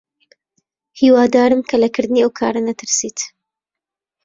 هیوادارم کە لە کردنی ئەو کارە نەترسیت.